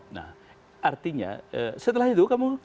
nah artinya setelah itu kamu